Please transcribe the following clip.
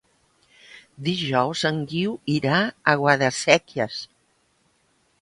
Dijous en Guiu irà a Guadasséquies.